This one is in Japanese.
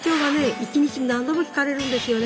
一日に何度も聞かれるんですよね。